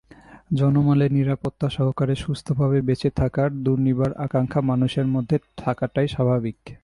জানমালের নিরাপত্তাসহকারে সুস্থভাবে বেঁচে থাকার দুর্নিবার আকাঙ্ক্ষা মানুষের মধ্যে থাকাটাই স্বাভাবিক।